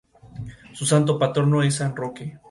Su santo patrono es San Roque.